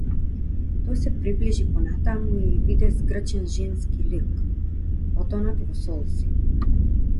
Тој се приближи понатаму и виде згрчен женски лик, потонат во солзи.